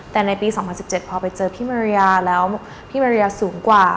แต่ในปี๒๐๑๗พอไปเจอพี่มาริยาแล้วพี่มาริยาสูงกว่า